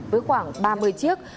với khoảng ba mươi chiếc